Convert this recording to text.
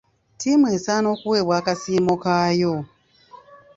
Ttiimu esaana okuweebwa akasiimo kayo.